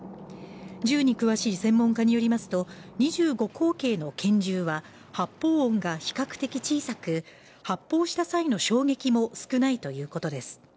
銃に詳しい専門家によりますと２５口径の拳銃は発砲音が比較的小さく発砲した際の衝撃も少ないということです